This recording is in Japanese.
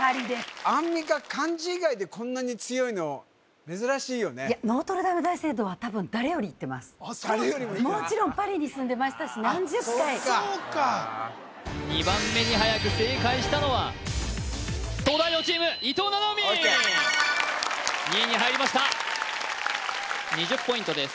アンミカ漢字以外でこんなに強いの珍しいよねいや多分誰よりももちろんパリに住んでましたし何十回あっそっか２番目にはやく正解したのは東大王チーム伊藤七海ＯＫ２位に入りました２０ポイントです